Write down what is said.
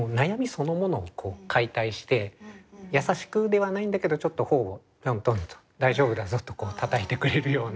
そのものを解体して優しくではないんだけどちょっと頬をトントンと「大丈夫だぞ」とたたいてくれるような。